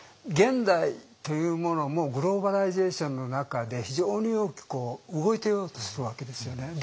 現代というものもグローバライゼーションの中で非常に大きく動いていようとするわけですよね。